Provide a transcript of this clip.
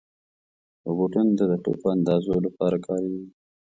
روبوټونه د دقیقو اندازو لپاره کارېږي.